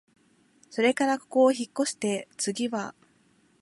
それからここをひっこして、つぎは、